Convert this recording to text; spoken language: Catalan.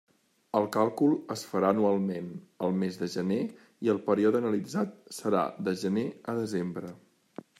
El càlcul es farà anualment, el mes de gener, i el període analitzat serà de gener a desembre.